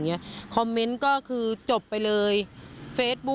ไม่อยากให้มองแบบนั้นจบดราม่าสักทีได้ไหม